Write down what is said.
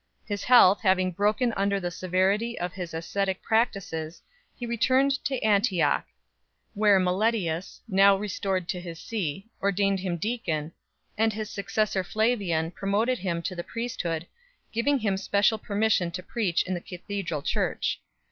His health having broken down under the severity of his ascetic practices he returned to Antioch, where Meletius, now restored to his see, ordained him deacon, and his suc cessor Flavian promoted him to the priesthood, giving him special permission to preach in the cathedral church.